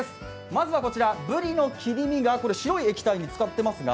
まずはブリの切り身が白い液体につかっていますが？